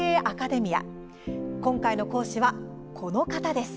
今回の講師は、この方です。